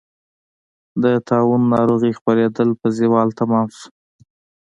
د طاعون ناروغۍ خپرېدل په زوال تمام شو.